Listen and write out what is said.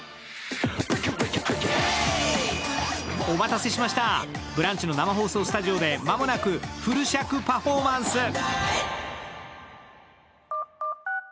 お待たせしました、「ブランチ」の生放送スタジオで間もなくフル尺パフォーマンス。